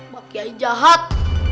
pak kiai jahat